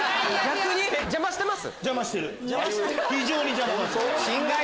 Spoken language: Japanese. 邪魔してます？